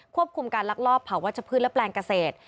คุมการลักลอบเผาวัชพืชและแปลงเกษตร